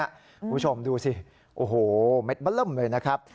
คุณผู้ชมดูสิโอ้โหเม็ดบะเริ่มเลยนะครับ